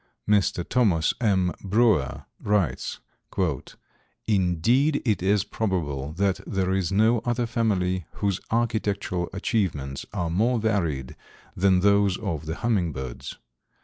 Mr. Thomas M. Brewer writes: "Indeed, it is probable that there is no other family whose architectural achievements are more varied than those of the hummingbirds.